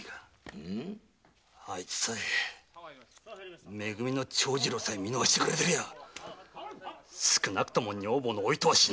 あいつさえめ組の長次郎さえ見逃してくれてりゃ少なくとも女房のお糸は死なずにすんだ！